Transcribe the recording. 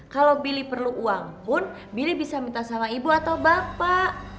kalau billy perlu uang pun billy bisa minta sama ibu atau bapak